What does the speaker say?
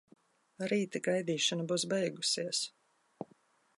Rīt gaidīšana būs beigusies.